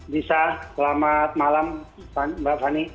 bisa selamat malam mbak fani